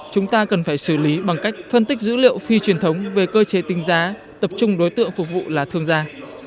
chúng ta cần phải xử lý bằng cách phân tích dữ liệu phi truyền thống về cơ chế tính giá tập trung đối tượng phục vụ là thương gia